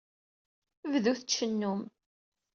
Bdut tcennum.